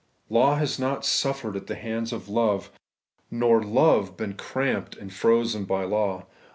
Law has not suffered at the hands of love, nor love been cramped and frozen by law.